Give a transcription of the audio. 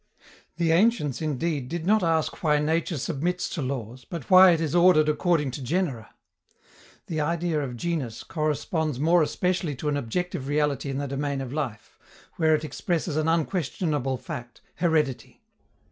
The ancients, indeed, did not ask why nature submits to laws, but why it is ordered according to genera. The idea of genus corresponds more especially to an objective reality in the domain of life, where it expresses an unquestionable fact, heredity.